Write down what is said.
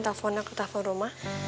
teleponnya ke telepon rumah